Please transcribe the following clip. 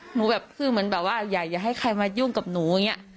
หนูแบบคือเหมือนแบบว่าอย่าให้ใครมายุ่งกับหนูอย่างนี้